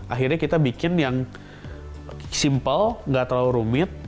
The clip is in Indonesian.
akhirnya kita bikin yang simple gak terlalu rumit